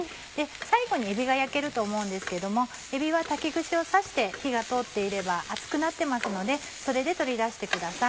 最後にえびが焼けると思うんですけどもえびは竹串を刺して火が通っていれば熱くなってますのでそれで取り出してください。